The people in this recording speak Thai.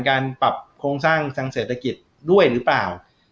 การปรับโครงสร้างทางเศรษฐกิจด้วยหรือเปล่า